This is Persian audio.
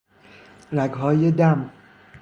رگهای دم